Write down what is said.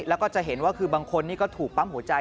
แล้วก็จะเห็นว่าคือบางคนนี่ก็ถูกปั๊มหัวใจ